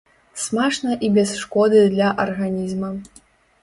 Смачна і без шкоды для арганізма.